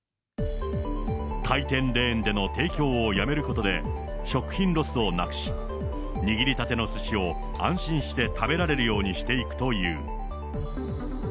回転レーンでの提供をやめることで、食品ロスをなくし、握りたてのすしを、安心して食べられるようにしていくという。